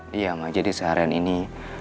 diam aja jadi seharian ini